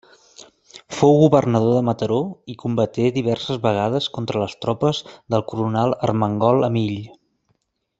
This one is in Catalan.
Fou governador de Mataró i combaté diverses vegades contra les tropes del coronel Ermengol Amill.